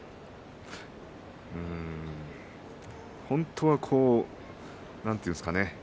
本当はなんていうんですかね。